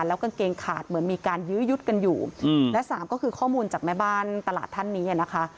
แล้วกางเกงขาดเหมือนมีการยื้อยุดกันอยู่และสามก็คือข้อมูลจากแม่บ้านตลาดท่านนี้นะคะ